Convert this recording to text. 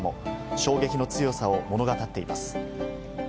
衝撃の強さを物語っています。